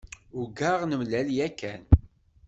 Ugaɣ nemlal yakan.